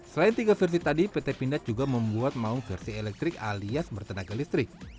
selain tiga versi tadi pt pindad juga membuat maung versi elektrik alias bertenaga listrik